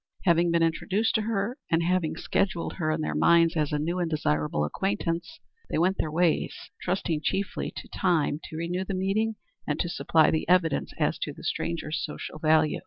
Having been introduced to her and having scheduled her in their minds as a new and desirable acquaintance, they went their ways, trusting chiefly to time to renew the meeting and to supply the evidence as to the stranger's social value.